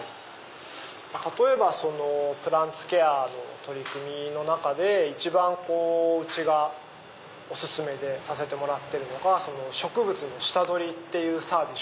例えばプランツケアの取り組みの中で一番うちがお勧めでさせてもらってるのが植物の下取りっていうサービス。